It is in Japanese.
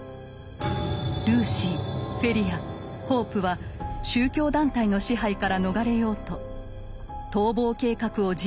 ルーシーフェリアホープは宗教団体の支配から逃れようと逃亡計画を実行したのです。